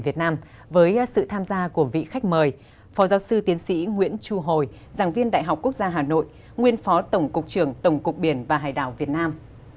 việt nam với sự tham gia của vị khách mời phó giáo sư tiến sĩ nguyễn chu hồi giảng viên đại học quốc gia hà nội nguyên phó tổng cục trưởng tổng cục biển và hải đảo việt nam